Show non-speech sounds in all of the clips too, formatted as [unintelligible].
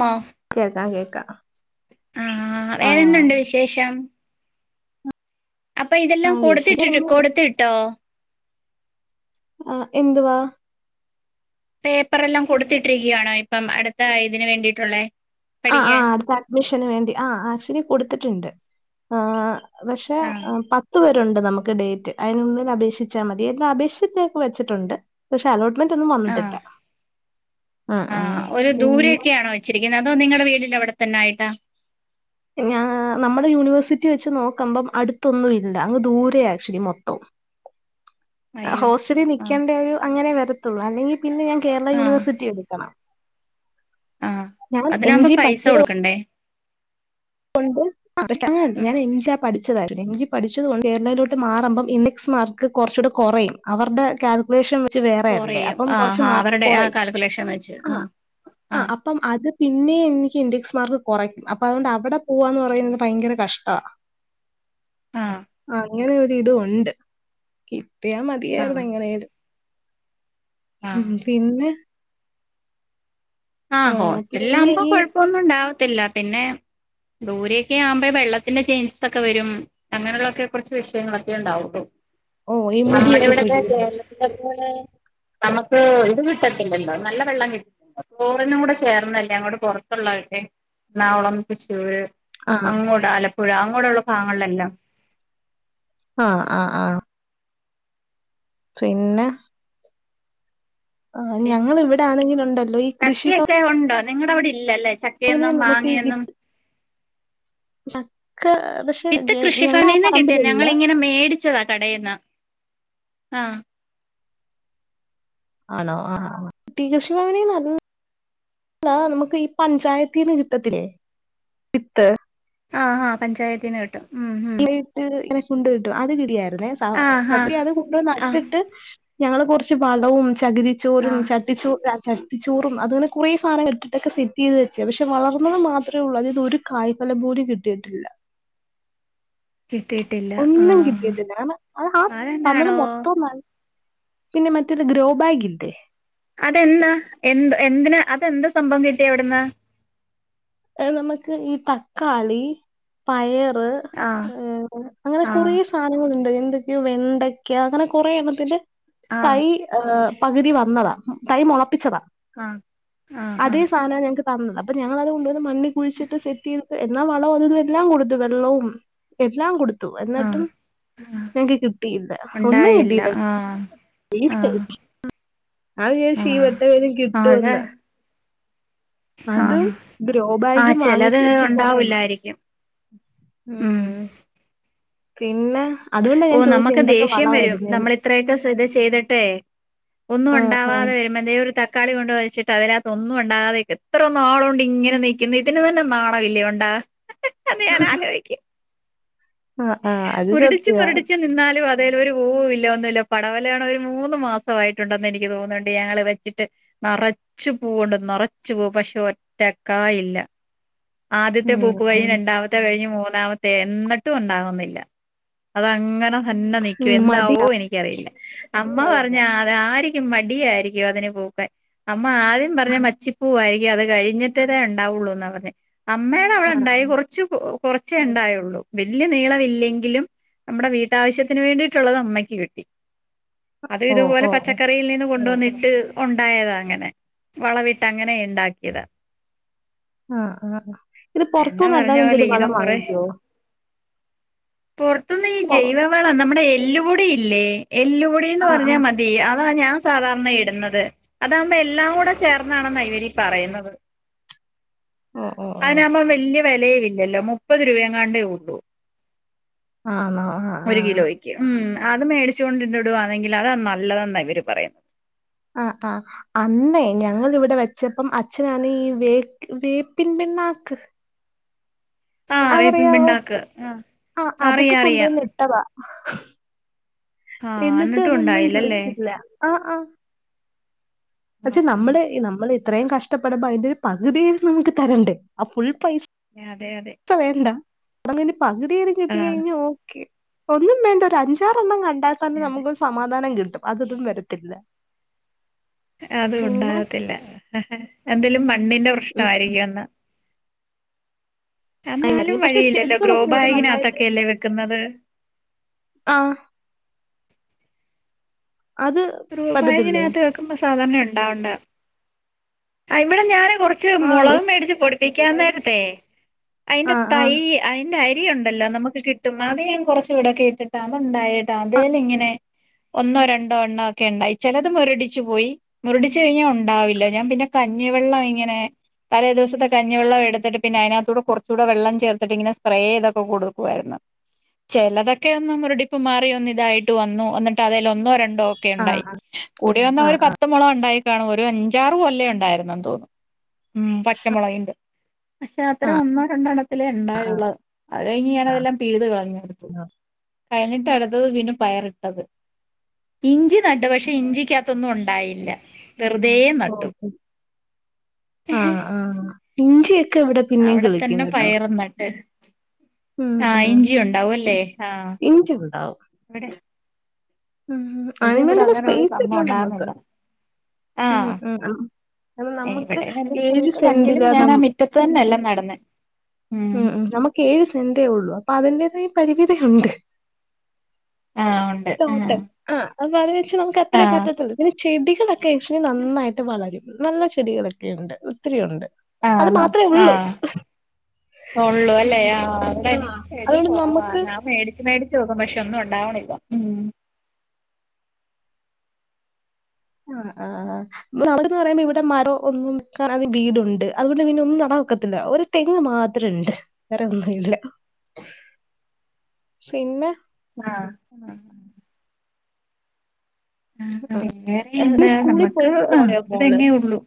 മ കേക്കാം കേക്കാ ആഹ് ശേഷം അപ്പൊ ആ ഇതെല്ലാം വിഷയം കൊടുത്തിട്ടിട്ട്, എന്ത്- കൊടുത്തിട്ടോ? ആഹ് എന്തുവാ പേപ്പറെല്ലാം കൊടുത്തിട്ടിരിക്കുകയാണോ ഇപ്പം അടുത്ത അതിന് വേണ്ടിയിട്ടുള്ളെ? ആഹ് ആഹ് അടുത്ത അഡ്മിഷന് വേണ്ടി ആഹ് ആക്ച്വലി കൊടുത്തിട്ടുണ്ട് ആഹ് പക്ഷെ ആഹ് പ ത്ത് വരുണ്ട് നമുക്ക് ഡേറ്റ് അയ്നുള്ളില് അപേക്ഷിച്ചാ മതി. എല്ലാ അപേക്ഷിച്ചൊക്കെ വെച്ചിട്ടുണ്ട്. പക്ഷെ അലോട്ട്മെന്റ് ഒന്നും വന്നിട്ടില്ല ആഹ് ഉം, ഉം. ആഹ് ഒരു പിന്നെ ദൂരൊയൊക്കെയാണോ വെച്ചിരിക്കുന്ന അതോ നിങ്ങടെ വീടിന്റെ അവിടെത്തന്നെ ആയിട്ടാ ഞാ നമ്മടെ യൂണിവേഴ്സിറ്റി വെച്ച് നോക്കമ്പം അടുത്തൊന്നും ഇല്ല അങ്ങ് ദൂരെയയാ ആച്ച്വലി മൊത്തോം [inaudible] ആഹ് അയ്യോ ഹോസ്റ്റലി ആഹ് നിക്കണ്ട ഒരു അങ്ങനെ വരത്തുള്ളൂ അല്ലെങ്കി പിന്നെ ഞാൻ കേരള ആഹ് യൂണിവേഴ്സിറ്റി എടുക്കണം. ആഹ് ഞാൻ എം അതിനാവുമ്പം ജി പൈസ കൊടുക്കണ്ടേ കൊണ്ട് [unintelligible] പഠിക്കാഞ്ഞത് എന്താ ഉം ഞാന് എം ജി പഠിച്ചതായിരുന്നു എം ജി പഠിച്ചതുകൊണ്ട് കേരളയിലോട്ട് മാറുമ്പം ഇൻഡെക്സ് മാർ ക്ക് കൊറച്ചുടെ കൊറയും. അവർടെ കാൽ കാൽക്കുലേഷൻ വച്ച് വേറെയാ വരണ്ടെ കൊറയും അപ്പം ആഹ് കുറച്ച് ആഹ് മാർക്ക് അവരുടെ ആ കൊറയും കാൽക്കുലേഷൻ വെച്ച് ആഹ് ആഹ് അ അപ്പം അത് പിന്നെ എനിക്ക് ഇൻഡെക്സ് മാർക്ക് കൊറയ്ക്കും അപ്പൊ അതുകൊണ്ട് അവിടെ ഇപ്പം - പോവാന്ന് പറയുന്നത് ഭയങ്കര കഷ്ടാ ആഹ് ആ- അങ്ങനെ ഒര് ഇതും ഒണ്ട് കിട്ടിയമതിയായിരുന്നു ആഹ് എങ്ങനേലും. ആഹ് ഉം പിന്നെ- ആ, ആഹ് ഹോസ്റ്റലിൽ പിന്നെ ആകുമ്പോ ഈ കൊഴപ്പൊന്നും ഒണ്ടാവത്തില്ല പിന്നെ- ദൂരെയൊക്കെ ആവുമ്പെ വെള്ളത്തിന്റെ ചേയ്ഞ്ചസൊക്കെ വരും. അങ്ങനെയുള്ളൊക്കെ കൊറച്ച് വിഷയങ്ങളൊക്കെ ഒണ്ടാവൊള്ളു. ഓ ഈ നമ്മുടെ മുടിയൊക്കെ ഇവിടത്തെ കുഴിയുന്നത് കേരള പിന്നെ അത് പോലെ നമുക്ക് ഇത് കിട്ടത്തില്ലല്ലോ നല്ല വെള്ളം കി ചോറിനും കൂടെ ചേർന്നല്ലേ അങ്ങോട് പൊറത്തുള്ളവര്ടെ എറണാകുളം തൃശ്ശൂര് ആ അങ്ങോട് ആലപ്പുഴ അങ്ങോട്ടുള്ള ഭാഗങ്ങളിലെല്ലാം- ആഹ് ആഹ് ആഹ് പിന്നെ ആഹ് ഞങ്ങള് ഇവിടാണെങ്കിലും ഒണ്ടല്ലോ ഈ കൃഷിഭവൻ ടെ ഒണ്ടോ നിങ്ങടെ അവിടെ ഇല്ലയല്ലേ ചക്കയൊന്നും നമുക്ക് ഈ മാങ്ങയൊന്നും വിത്ത് പക്ഷെ വിത്ത് ഞങ്ങളുടെ ആ കൃഷിഭവനീന്ന് കിട്ടി. പറമ്പിലില്ല ഞങ്ങളിങ്ങനെ മേടി ങ്ങിച്ചതാ കടേന്ന് ആഹ് ആണോ ആഹ് ആഹ് ഇ [unintelligible] പ്പീ കൃഷി ഭവനീനാണോ അല്ലാ നമുക്ക് ഈ പഞ്ചായത്തീന്ന് കിട്ടത്തില്ലേ വിത്ത് ആഹ് ആഹ് പഞ്ചായത്തീന്ന് കിട്ടും ഉം ഉം [unintelligible] ഇങ്ങനെ ഫു [unintelligible] ണ്ട് കിട്ടും അത് കിട്ടിയായിരുന്നേ ആഹ് ആഹ് സത്യം അത് കൊണ്ട് നട്ട് ആഹ് ട്ട് ഞങ്ങള് കൊറച്ച് വളവും ചകിരിച്ചോറും ആഹ് ചട്ടിച്ചോ അ ച ട്ടിച്ചോറും അത്ങ്ങനെ കൊറെ സാനങ്ങള് ഇട്ടിട്ടൊക്കെ സെറ്റ് ചെയ്ത് വെച്ചേ പക്ഷെ വളർന്നത് മാത്രേ ഒള്ളൂ അതീന്ന് ഒരു- കായ്ഫലം പോലും കിട്ടിയിട്ടില്ല. കിട്ടിട്ടിയില്ലാ ഒന്നും കിട്ടീട്ടില്ല അത് ആ തന്നത് അതെന്താണോ മൊത്തം- പിന്നെ മറ്റൊരു ഗ്രോബാഗില്ലെ അതെന്താ എന്ത് എന്തിന അതെന്താ സംഭവം കിട്ടിയ അവിടുന്ന് ഏ നമുക്ക് ഈ തക്കാളി പയറ്- ആഹ് അഹ് അങ്ങനെ ആഹ് കൊറേ സ- സാധനങ്ങള് ഒണ്ട് എന്തൊക്കെയോ വെണ്ടയ്ക്ക അങ്ങനെ കൊറെ എണ്ണത്തിന്റെ ആഹ് തൈ- ആഹ് പകുതി വന്നതാ തൈ മുളപ്പിച്ചതാ ആഹ് അതേ ആഹ് സാധനം ഞങ്ങക്ക് തന്നത് അപ്പൊ ഞങ്ങൾത് കൊണ്ടുവന്ന് മണ്ണി കുഴിച്ചിട്ട് സെറ്റ് ചെയ്ത്ട്ട് എന്നാ വളവും അതിതുല്ലാം കൊടുത്തു വെള്ളവും എല്ലാം കൊടുത്തു ആഹ് എന്നിട്ടും ആഹ് ആഹ് ഞങ്ങക്ക് കിട്ടിയില്ല ഒന്നും ഉണ്ടായില്ല കിട്ടിയില്ല ആഹ് വേസ്റ്റായി ആഹ് ഞാൻ വിചാരിച്ച് ഈ ആഹ് വട്ടവേലും അതെ കിട്ടുവെന്ന്. അതും ആഹ് ആഹ് ഗ്രോബാഗും ചെലത് വാങ്ങിവെച്ചു കൊറെയണ്ണം ഉണ്ടാവൂലായിരിക്കും ഉം പിന്നെ അതുകൊണ്ടാ ഓ ഞാൻ ചോദിച്ചെ നമുക്ക് എന്തൊക്കെ ദേഷ്യം വരും വളമായിരുന്നേന്ന്. നമ്മൾത്രയൊക്കെ ശ്രദ്ധി ചെയ്തിട്ടെ ഒന്നും ആഹ് ആഹ് ഉണ്ടാവാതെ വരുമ്പോ എന്തെലു ഒരു തക് ക്കാളി കൊണ്ട് വച്ചിട്ട് അതിനകത്തൊന്നും ഉണ്ടാതെ നിക്കത് എത്ര നാളുണ്ട് ഇങ്ങനെ നിക്കുന്നു ഇതിന് തന്നെ നാണല്ലേ ഉണ്ടാകാ അത് ഞൻ ആലോയിക്കും ആഹ് ആഹ് അത് മുരടിച്ച് സത്യവാ. മുരടിച്ച നിന്നാലും അ തേലോരു പൂ ഇല്ല ഒന്നുല്ല പടവലാണേ ഒരു മൂന്ന് മാസമായിട്ടുണ്ടെന്ന് എനിക്ക് തോന്നുന്നുണ്ട് ഞങ്ങള് വെച്ചിട്ട് നറച്ചു പൂവണ്ട് നറച്ചു പൂ പക്ഷെ ഒറ്റക്കായില്ല ആദ്യത്തെ ഉം പൂപ്പ് കഴിഞ്ഞ് ഉം രണ്ടാമത്തെ കഴിഞ്ഞ് മൂന്നാമത്തെ എന്നിട്ടും ഉണ്ടാകുന്നു ഒന്നുല്ല അതങ്ങനെ തന്നെ ഉം നിക്കും എന്താവോ മടിയാ. എനിക്ക് നിക്കറില്ല അമ്മ പറഞ്ഞ് അത് ആരിക്കും മടിയായിരിക്കും അതിന് പൂക്ക അമ്മ ആദ്യ പറഞ്ഞ് മച്ചിപ്പൂവായിരിക്കും അത് കഴിഞ്ഞിട്ട്തേ ഉണ്ടാവുള്ളൂന്നാ പറഞ്ഞേ അമ്മയുടെ അവിടെ ആഹ് ഉണ്ടായി കൊറ ച്ചു പൂ കുറച്ചേ ഉണ്ടായുള്ളൂ വലിയ നീള ഇൽ ല്ലെങ്കിലും നമ്മുടെ വീട്ടാവശ്യത്തിന് വേണ്ടിയിട്ടുള്ളത് അമ്മയ്ക്ക് കിട്ടി അത് ഓഹ് ഇതുപോലെ ഓഹ് ഓഹ് പച്ചക്കറിയിൽ നിന്ന് കൊണ്ടുവന്നിട്ട് ഉണ്ടായതാ അങ്ങനെ വളവിട്ട്ങ്ങനെ ഉണ്ടാക്കിയതാ ആഹ് ആ ഇത് എന്നെ പറഞ്ഞ പൊറത്തുന്നുല്ലാതെ പോലെ എന്തേലും ഇതും വളം കുറെ വാങ്ങിക്കുവോ പുറത്തുന്ന് ഈ ജൈവവളം നമ്മുടെ എല്ലുപൊടിയില്ലേ എല്ലുപൊടി എന്ന് ആഹ് പറഞ്ഞാൽ ആഹ് മ വീ അതാ ഞാൻ സാധാരണ ഇടുന്നത് അതാകുമ്പോ എല്ലാം കൂടെ ചേർന്നാണെന്നാ ഇവരീ പറയുന്നത്. ഓ ഓ ഓ അതിനാവുമ്പോ വല്ല്യ വിലയുവില്ലല്ലോ മുപ്പത് രൂപെങ്ങാണ്ടേള്ളൂ അ ഹാ ഹാ ഹാ ക്കും ഉം അത് മേടിച്ചോണ്ടിടുവാന്നെങ്കിൽ അതാ നല്ലതെന്നാണ് ഇവര് പറയുന്നത് അ ആഹ് അന്നേ ഞങ്ങിളിവിടെ വെച്ചപ്പം അച്ഛനാണ് ഈ വേ വേപ്പിൻ പിണ്ണാക്ക് ആഹ് വേപ്പിൻ അതറിയാവോ പിണ്ണാക്ക് ആഹ് അഹ് അതൊക്കെ അറിയാം അറിയാം കൊണ്ടുവന്ന് ഇട്ടതാ ആഹ് എന്നിട്ടും എന്നിട്ട്തൊന്നും ഉണ്ടായില്ലല്ലേ കിളിച്ചില്ല ആ ആഹ് പക്ഷെ നമ്മടെ ആഹ് ഇ നമ്മള് ഇത്രയും കഷ്ടപ്പെടുമ്പോ അതിന്റെ ഒരു പകുതി നമുക്ക് തരണ്ടേ ആ ഫുൾ പൈസ അതെ അതെ ത്തം വേണ്ട അതിൻ്റെ പകുതിയെലും ആഹ് കിട്ടികഴിഞ്ഞൽ ഓക്കെ ഒന്നും വേണ്ട ഒരു അഞ്ചാറെണ്ണം കണ്ടാത്തന്നെ നമുക്ക് ഒരു സമാധാനം കിട്ടും അതൊന്നും വരത്തില്ല അത് പിന്നെ ഉണ്ടാകത്തില്ല എന്തേലും മണ്ണിന്റെ ഉം പ്രശ്നായിരിക്കും എന്നാ എന്നാലും ആയിന്നറിയാം പക്ഷെ വഴിയില്ലല്ലോ ഗ്രോ ചെടികളൊക്കെ ഇവിടെ നന്നായിട്ട് ബാഗിനകത്തൊക്കെയല്ലേ വെക്കുന്നത് ആഹ് അത് പറ്റത്തില്ലേ റൂപായിനകത്ത് വെക്കുമ്പോ സാധരണ ഉണ്ടാവണ്ട അഹ് ഇവിടെ ഞാന് കുറച്ച് ആഹ് മുളക്മേടിച്ച് പൊടിപ്പിക്കാ നേരത്തെ അയിൻ്റെ ആഹ് തൈ ആഹ് അതിന്റെ അരിയുണ്ടല്ലോ നമുക്ക് കിട്ടും അത് ഞാൻ കുറച്ച് ഇടൊക്കെ ഇട്ടിട്ടാ അത് ഉണ്ടായിട്ടാ അതേല് ഇങ്ങനെ ഒന്നോ രണ്ടോ എണ്ണം ഒക്കെ ഉണ്ടായി ചിലത് മുരടിച്ചു പോയി മുരടിച്ച് കഴിഞ്ഞാൽ ഉണ്ടാവില്ല ഞാൻ പിന്നെ കഞ്ഞിവെള്ളം ഇങ്ങനെ തലെ ദിവസത്തെ കഞ്ഞിവെള്ളം എടുത്തിട്ട് പിന്നെ അതിനകത്തൂടെ കുറച്ചുകൂടെ വെള്ളം ചേർത്തിട്ട് ഇങ്ങെനെ സ്പ്രേ ചെയ്തൊക്കെ കൊടുക്കുവായിരുന്നു ചിലതൊക്കെ ഒന്ന് മുരടിപ്പ് മാറി ഒന്ന ഇതായിട്ട് വന്നു എന്ന്ട്ട് അതേൽ ഒന്നോ രണ്ടോ ഒ ഉണ്ടായി കൂടി വന്ന ഒരു പത്ത് മുള ഉണ്ടായി കാണും ഒരു അഞ്ചാറ് കൊല്ല ഉണ്ട ഉണ്ടായിരുന്നെന്ന് തോന്നുന്നു പച്ചമുളകിന്റെ പക്ഷേ അത്ര ഒന്നോ രണ്ടെണ്ണത്തിലേ ഉണ്ടായുള്ളൂ അത് കഴിഞ്ഞ് ഞാനതെല്ലാം പിഴുതു കളഞ്ഞു ആഹ് കഴിഞ്ഞിട്ട് അടുത്തത് വീണ്ടും പയറിട്ടത് ഇഞ്ചി നട്ടു പക്ഷെ ഇഞ്ചിക്കത്തൊന്നും ഉണ്ടായില്ല വെറുതെ നട്ടു ഓഹ് ആഹ് ആഹ് ഇഞ്ചിയൊക്കെ ഇവിടെ പിന്നെയും അവിടെ കിളിക്കും തന്നെ കേട്ടോ പയറും നട്ട് ആ ഇഞ്ചി ഉണ്ടാവുംല്ലേ ആഹ എണീറ്റട്ടുണ്ടാവും ഉം ഇത് അതിനും ഇവിടെ വേണ്ടിയുള്ള അങ്ങനെ ഒരു സപെയിസ് സംഭവം ഇല്ല നമ്മുക്ക് ഉണ്ടായിരുന്നില്ല ഉം ആഹ് ഉം ഉം ക നമുക്ക് ഇവിടെ വലിയ ഏഴ് സ്പേസ് ഇല്ല എങ്കിലും സെന്റിലാ ന ഞാൻ ആ മിറ്റത്ത് തന്നെയല്ല നടന്നെ ഉം ഉം നമുക്ക് ഏഴ് സെന്റേ ഉള്ളു അപ്പൊ അതിന്റതായ പരിമിതിയുണ്ട് ആഹ് ഉണ്ട് ആഹ് തോട്ടൽ ആഹ് അപ്പൊ അത് വെച്ച നമുക്ക് അത്രേ ആഹ് പറ്റത്തുള്ളൂ പിന്നെ ചെടികളൊക്കെ കഷ്മി നന്നായിട്ട് വളരും നല്ല ചെടികളൊക്കെ ഉണ്ട് ഒത്തിരി ഉണ്ട് അത് ആഹ് മാത്ര ഉള്ളൂ ആഹ് ഉള്ളൂ അല്ലേ ആ അവിടെ ആഹ് എനിക്ക് ചെടി അതുകൊണ്ട് കൊറവാ നമ്മക്ക് ഞാൻ മേടി മേടിച്ച് നോക്കും പക്ഷെ ഒന്നും ഉണ്ടാവണില്ല ഉം ആഹ് ആഹ് ആഹ് ന്ന് പറയുമ്പോ ഇവിടെ മരം ഒന്നും വീടുണ്ട് അതുകൊണ്ട് പിന്നെ ഒന്നും നട വെക്കത്തില്ല ഒരു തെങ്ങ് മാത്രം ഉണ്ട് വേറെ ഒന്നുമില്ല പിന്നെ ആഹ് ആഹ് വേറെ ഇന്ന് എന്താ സ്കൂളിൽ നമ്മക്ക് പോയി ആഹ് പോയോ ഒരു മോള് തെങ്ങേ ഉള്ളൂ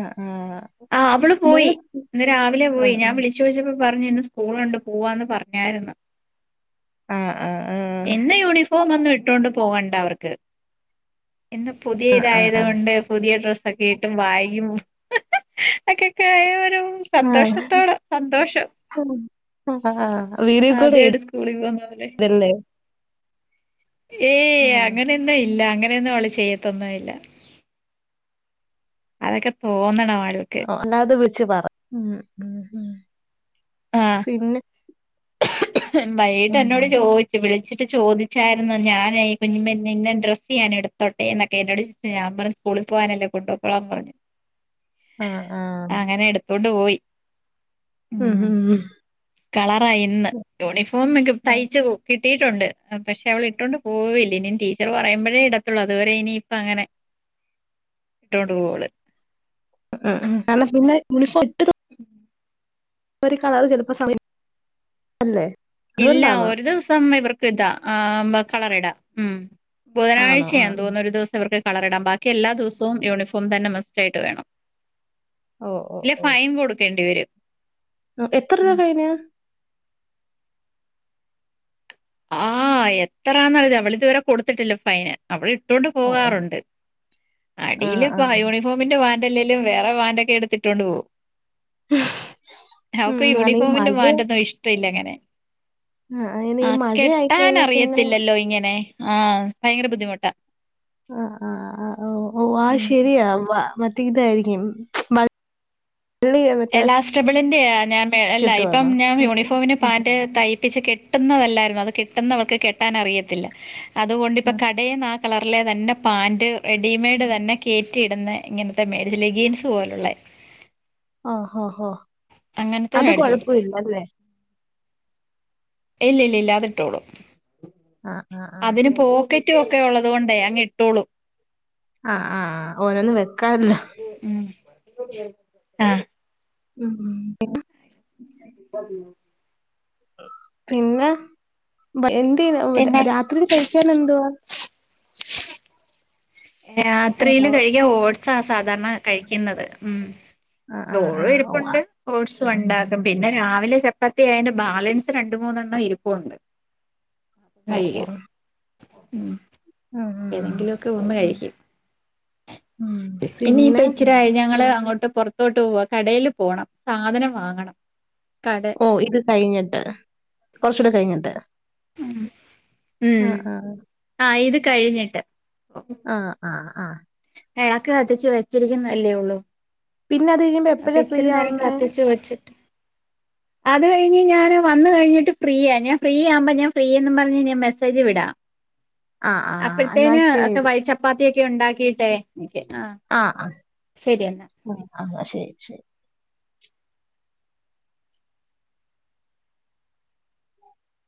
ആഹ് ആഹ് ആഹ് അവള് പോയി മോള് ഇന്ന് രാവിലെ പോയി ആഹ് ഞാൻ വിളിച്ച ചോയ്ച്ചപ്പോ പറഞ്ഞു ഇന്ന് സ്കൂളുണ്ട് പോവാന്ന് പറഞ്ഞായിരുന്നു ആഹ് ആഹ് ആഹ് എന്നും യൂണിഫോം വന്ന് ഇട്ട ണ്ട് പോകണ്ട അവർക്ക് ഇന്ന് പുതിയ ആഹ് ഇതായത് കൊണ്ട് പുതിയ ഡ്ര ഒക്കെ ഇട്ട് ബായ്ഗും അക്കെക്കെ ആയ ഒരു സന്തോഷത്തോടെ സന്തോഷം ആഹ് ആഹ് ആഹ് വീഡിയോ ആഹ് കോൾ അതെയടെ സ്കൂളിൽ പോന്ന പോല്ലേ ചെയ്തല്ലേ ഏയ് ആഹ് അങ്ങനെയൊന്നും ഇല്ല അങ്ങനെയൊന്നും അവള് ചെയ്യത്തൊന്നും ഇല്ല അതൊക്കെ തോന്നണ ആള് ആഹ് ഒന്നത് വിളച്ച് പറ ഉം ഉം ഉം ആഹ് പിന്നെ വൈകിട്ട് ഉം എന്നോട് ചോദിച്ച വിളിച്ചിട്ട് ചോദിച്ചായിരുന്നു ഞാൻഈ കുഞ്ഞിന്നെ ഇങ്ങെ ഡ്രസ് ചെയ്യാൻ എടുത്തോട്ടെ എന്നൊക്കെ എന്നോട് ഞാൻ പറഞ്ഞ സ്കൂളി പോകാനല്ലേ കൊണ്ടോക്കൊളാൻ പറഞ്ഞു ആഹ് ആഹ് അങ്ങനെ എടുത്തോണ്ട് പോയി ഉം ഉം കളറാ ഇന്ന് യൂണിഫോം ഒക്കെ ആ, തയ്ച്ച പോ കിട്ടിട്ടുണ്ട് പക്ഷെ അവള് ഇട്ടോണ്ട് പോയില്ല ഇനി ടീച്ചർ പറയുമ്പോഴേ ഇടത്തുള്ളു അതുവരെ ഇനിയിപ്പ അങ്ങനെ ഇട്ടോണ്ട് പോവു വള് ഉം ഉം [unintelligible] ഉം ഒരു കലറ് ചിലപ്പോ സമയം അല്ലേ ഇല്ല അതുകൊണ്ടാന്നോ? ഒരു ദിവസം ഇവർക്ക് ഇതാ ആം കളർ ഇടാം ഉം ആണോ? ആ. ബുധനാഴ്ചയാം തോന്നുന്നു ഒരു ദിവസം ഇവക്ക് കളർ ഇടാം ബാക്കി എല്ലാ ദിവസവും യൂണിഫോം തന്നെ മസ്റ്റായിട്ട് വേണം ഓ, ഓ, ഇല്ല ഫൈൻ കൊടുക്കേണ്ടി വരും ഉം എത്ര രൂപ ഫൈന് ആഹ് എത്രാന്നറില അവളിതുവരെ കൊടുത്തിട്ടില്ല ഫൈന് അവൾ ഇട്ടൊണ്ട് ഓ, ഓ. പോവാറുണ്ട് ആ, അടിയില് ആ. പ യൂണി ഫോമിന്റെ വൻ്ല്ലെലും വേറെ വാന്റൊക്കെ എടുത്തിട്ടൊണ്ട് പോവു അവക്ക് ഉം. അല്ല ഈ യൂണിഫോമിന്റെ മഴ വാന്റൊന്നു ഇഷ്ടല്ല അങ്ങനെ ആഹ് ഏ ആഹ് കെട്ടാൻ അറിയത്തില്ലല്ലോ ഇങ്ങനെ ആഹ് ഭയങ്കര ബുദ്ധിമുട്ടാ ആഹ് ആഹ് ആഹ് ഓഹ് ഓഹ് ആഹ് ഉം ശെരിയാ മാ മറ്റേ ഇതായിരിക്കും മ ളിഎ മറ്റേ സ്റ്റബിളിന്റെ ഞാൻ അല്ല ഇപ്പം കിട്ടുവാന്നോ? ഞാൻ മറ്റേ യൂണിഫോമിന് പാന്റ് തയ്പ്പിച്ച് കെട്ടുന്നതല്ലായിരുന്നു അത് കെട്ടുന്ന അവൾക്ക് കെട്ടാൻ അറിയത്തില്ല ആ. അതുകൊണ്ട്പ്പ കടേന്നാ കളറിലെ തന്നെ പാന്റ് റെഡിമെയ്ഡ് തന്നെ കേറ്റി ഇടുന്ന ഇങ്ങനത്തെ [unintelligible] ലെഗീൻസ് പോലുള്ള ആഹ് ഹോ ഹോ അങ്ങനത്തെ അത് മേടിച്ചു കൊടുത്തു കൊഴപ്പല്ലല്ലേ ഇല്ല ഇല്ല ഇല്ലാതിട്ടോളൂ ആ, ആ, ആ. അതിന് പോക്കറ്റും ഒക്കെ ഉള്ളത് കൊണ്ടേ അങ് ഇട്ടോളൂ ആഹ് ആഹ് ഓരോന്നും വെക്കാറിലോ ഉം ഉം [unintelligible] ആഹ് ഉം ഉം [inaudible] പിന്നെ ബ എന്ത് പിന്നെ രാത്രി തഴിക്കൻ എന്തോ രാത്രിയില് ഏലോ? കഴിക്കാ ഓട്സാ സാധാരണ കഴിക്കുന്നത് ഉം ആ, ആ, ആ. ചോറും ഓ, ആ. ഇരിപ്പുണ്ട് ഓട്സും ഉണ്ടാക്കും പിന്നെ രാവിലെ ചെപ്പത്തി അയ്ന്റെ ബാലൻസ് രണ്ട് മൂന്നെണ്ണം ഇരിപ്പുണ്ട് ഓ, കഴിയും ഉം ആഹ് ഏതെങ്കിലൊക്കെ ഒന്ന് കഴിക്കും ഉം ഇനി പിന്നെ പച്ചി ട്ടായി ഞങ്ങള് അങ്ങോട്ട് പുറത്തോട്ട് പോവ കടേല് പോണം സാധനം വാങ്ങണം കടേ ഓഹ് ഇത് കഴിഞ്ഞിട്ട് കുറച്ചൂടെ കഴിഞ്ഞിട്ട് ഉം ആഹ് ആഹ് ആഹ് ഇത് കഴിഞ്ഞിട്ട് ആഹ് ആഹ് ആഹ് ഏഹ് അക്ക് കത്തിച്ചു വെച്ചിരിക്കുന്നല്ലേ ഉള്ളൂ പിന്നെ അത് കഴിയുമ്പോ എപ്പഴ ഫ്രീ ആവുന്നെ ചു വെച്ചിട്ട് [inaudible] അത് കഴിഞ് ഞാന് വന്ന് കഴിഞ്ഞിട്ട് ഫ്രീയാ ഞാ ഫ്രീ ആവ്മ്പോ ഞാ ഫ്രീയന്ന് പറഞ്ഞ്ഞാ മെസേജ് വിടാം. [inaudible] ആ. എന്നാ അപ്പഴ്ത്തേന് ഒക്കെ ശരി. വഴ ചപ്പാത്തിക്കെ ഉണ്ടാക്കിട്ടെ എനിക്ക് ആ ആ, ആ, ആ, ആ ശരി, ശരി.